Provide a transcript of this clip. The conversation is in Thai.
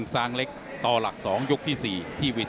นักมวยจอมคำหวังเว่เลยนะครับ